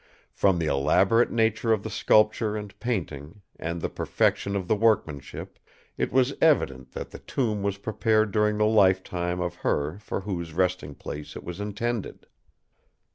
From the elaborate nature of the sculpture and painting, and the perfection of the workmanship, it was evident that the tomb was prepared during the lifetime of her for whose resting place it was intended.